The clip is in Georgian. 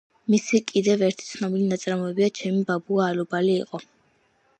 მისი კიდევ ერთი ცნობილი ნაწარმოებია „ჩემი ბაბუა ალუბალი იყო“.